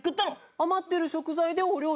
余ってる食材でお料理したの？